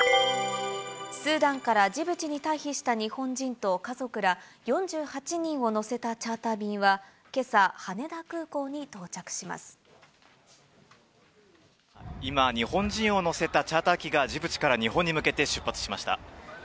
スーダンからジブチに退避した日本人と家族ら４８人を乗せたチャーター便はけさ、羽田空港に今、日本人を乗せたチャーター機がジブチから日本に向けて出発しました。